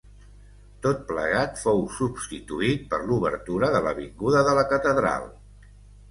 Tot plegat fou substituït per l'obertura de l'avinguda de la Catedral.